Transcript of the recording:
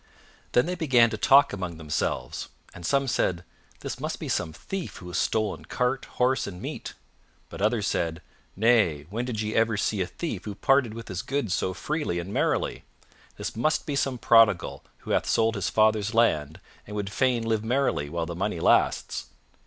Then they began to talk among themselves, and some said, "This must be some thief who has stolen cart, horse, and meat;" but others said, "Nay, when did ye ever see a thief who parted with his goods so freely and merrily? This must be some prodigal who hath sold his father's land, and would fain live merrily while the money lasts."